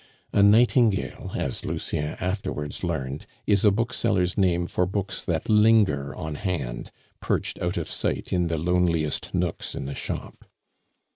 (A "nightingale," as Lucien afterwards learned, is a bookseller's name for books that linger on hand, perched out of sight in the loneliest nooks in the shop.)